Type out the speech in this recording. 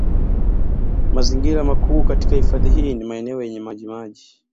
Mazingira makuu katika hifadhi hii ni maeneo yenye maji maji